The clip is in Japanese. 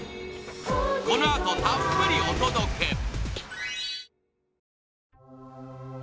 このあとたっぷりお届け